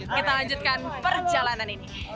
kita lanjutkan perjalanan ini